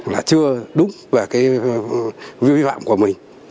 là chưa đúng về cái vi phạm của mình